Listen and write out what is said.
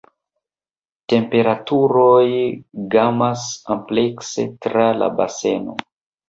Temperaturoj gamas amplekse tra la baseno.